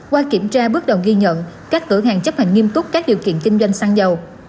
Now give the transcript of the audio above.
qua kiểm tra bước đầu ghi nhận các cửa hàng chấp hành nghiêm túc các điều kiện kinh doanh xăng dầu